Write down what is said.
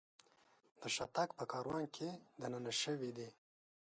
د شاتګ په کاروان کې دننه شوي دي.